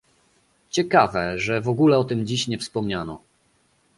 Ciekawe, że w ogóle o tym dziś nie wspomniano